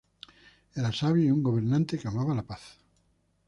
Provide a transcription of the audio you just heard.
Era sabio y un gobernante que amaba la paz.